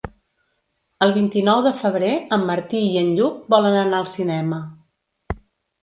El vint-i-nou de febrer en Martí i en Lluc volen anar al cinema.